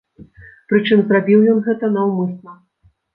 Прычым зрабіў ён гэта наўмысна.